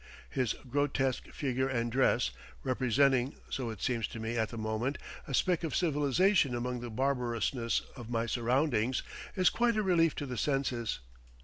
His grotesque figure and dress, representing, so it seems to me at the moment, a speck of civilization among the barbarousness of my surroundings, is quite a relief to the senses.